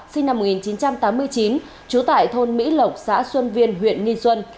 sinh năm một nghìn chín trăm tám mươi chín trú tại thôn mỹ lộc xã xuân viên huyện nghi xuân